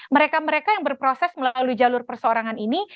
mereka mereka yang berproses melalui jalur perseorangan ini